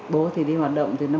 bố thì đi hoạt động từ năm bốn mươi